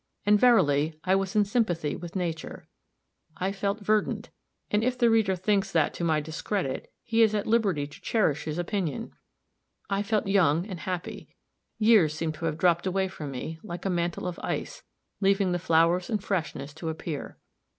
And verily, I was in sympathy with nature. I felt verdant and if the reader thinks that to my discredit, he is at liberty to cherish his opinion. I felt young and happy years seemed to have dropped away from me, like a mantle of ice, leaving the flowers and freshness to appear.